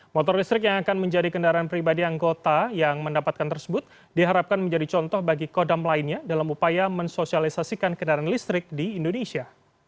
motor listrik yang akan menjadi kendaraan pribadi anggota yang mendapatkan tersebut diharapkan menjadi contoh bagi kodam lainnya dalam upaya mensosialisasikan kendaraan listrik di indonesia